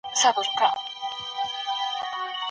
که موږ پښتو ته خپله اهمیت ورکړو، زموږ هویت به قوي وي.